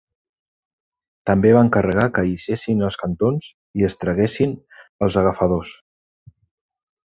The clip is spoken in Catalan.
També va encarregar que allisessin els cantons i es traguessin els agafadors.